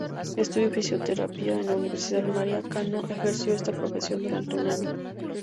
Estudió fisioterapia en la Universidad María Cano y ejerció esta profesión durante un año.